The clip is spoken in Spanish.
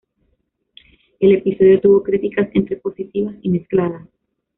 El episodio tuvo críticas entre positivas y mezcladas.